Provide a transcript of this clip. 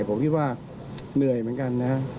ผมคิดว่าเหนื่อยเหมือนกันนะฮะ